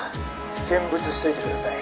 見物しといてください。